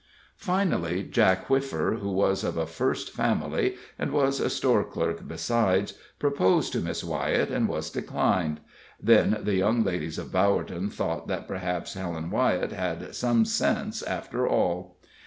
Finally Jack Whiffer, who was of a first family, and was a store clerk besides, proposed to Miss Wyett and was declined; then the young ladies of Bowerton thought that perhaps Helen Wyett had some sense after all.